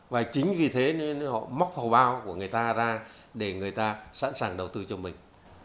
và chính vì thế nên họ móc hồ bao của người ta ra để người ta sẵn sàng đầu tư cho mình